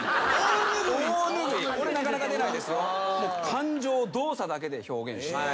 感情を動作だけで表現して。